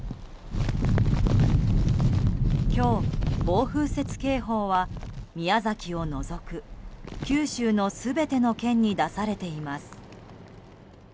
今日、暴風雪警報は宮崎を除く九州の全ての県に出されています。